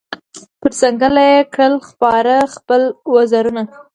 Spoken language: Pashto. پر ځنګله یې کړل خپاره خپل وزرونه